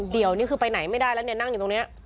เดี๋ยวนี่คือไปไหนไม่ได้แล้วเนี่ยนั่งอยู่ตรงนี้